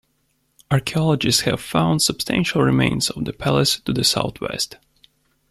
Archeologists have found substantial remains of the palace to the southwest.